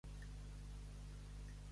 Jugar més que Peladilla.